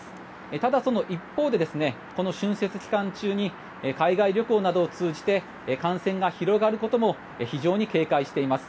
ただ、その一方でこの春節期間中に海外旅行などを通じて感染が広がることも非常に警戒しています。